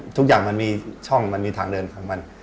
ทุกอย่างมันมีช่องมันมีทางเดินของมัน